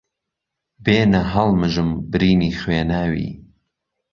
بێنه ههڵمژم برینی خوێناوی